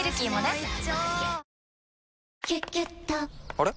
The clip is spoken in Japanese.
あれ？